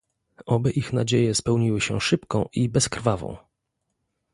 Oby ich nadzieje spełniły się szybko i bezkrwawo